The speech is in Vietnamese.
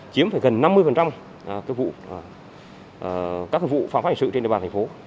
chiếm gần năm mươi các vụ phản pháp hành sự trên địa bàn